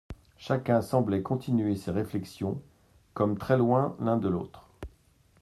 Chacun semblait continuer ses réflexions, comme très loin l'un de l'autre.